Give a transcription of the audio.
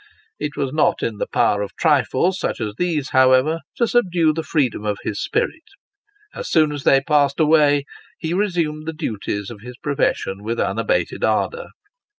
It was not in the power of trifles such as these, however, to subdue the freedom of his spirit. As soon as they passed away, ho resumed the duties of his profession with unabated ardour.